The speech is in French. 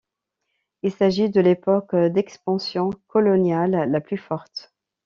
Il s'agit de l'époque d'expansion coloniale la plus forte.